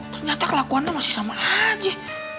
ternyata kelakuannya masih sama aja